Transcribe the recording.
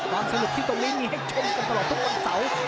สนุกที่ตรงนี้มีให้ชมกันตลอดทุกวันเสาร์